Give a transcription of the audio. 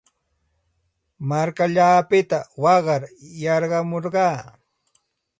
Markallaapita waqar yarqamurqaa.